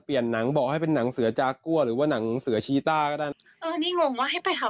เปลี่ยนนางบอกให้เป็นหนังสือจากั้วหรือว่าหนังสือชีตาก็ได้